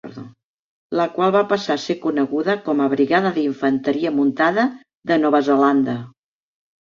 La qual va passar a ser coneguda com a Brigada d'Infanteria Muntada de Nova Zelanda.